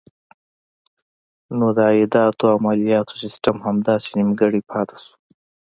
نو د عایداتو او مالیاتو سیسټم همداسې نیمګړی پاتې شو.